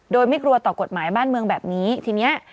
โดยไม่กลัวต่อกฎหมายบ้านเมืองแบบนี้ทีเนี้ย